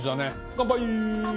乾杯。